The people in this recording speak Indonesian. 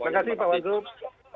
terima kasih pak waguh